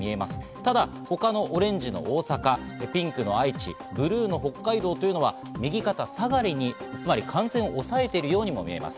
ただ他のオレンジの大阪、ピンクの愛知、ブルーの北海道は、右肩下がりに、つまり感染を抑えているようにも見えます。